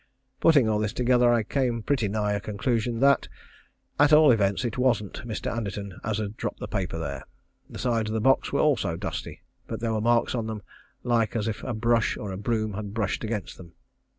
Putting all this together I came pretty nigh a conclusion that, at all events, it wasn't Mr. Anderton as had dropped the paper there. The sides of the box were also dusty, but there were marks on them like as if a brush or a broom had brushed against them.